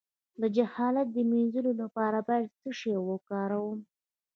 د جهالت د مینځلو لپاره باید څه شی وکاروم؟